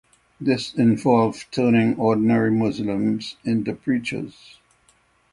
This involved turning ordinary Muslims into preachers.